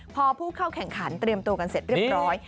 พอผู้เข้าแข่งขันเตรียมตัวกันเสร็จเรียบร้อย